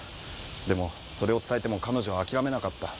でもそれを伝えても彼女は諦めなかった。